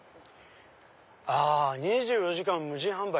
あっ２４時間無人販売！